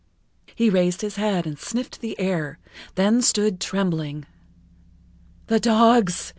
He raised his head and sniffed the air, then stood trembling. "The dogs!"